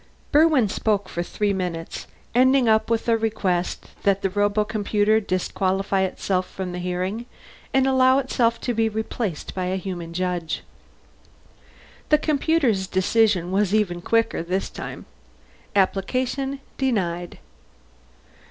Berwin spoke for three minutes, ending up with a request that the robocomputer disqualify itself from the hearing and allow itself to be replaced by a human judge. The computer's decision was even quicker this time. APPLICATION DENIED.